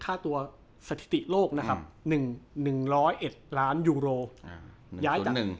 ค่าตัวสถิติโลกนะครับหนึ่งหนึ่งร้อยเอ็ดล้านโยโรอย้ายจาก